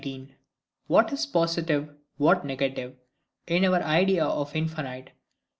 What is positive, what negative, in our Idea of Infinite.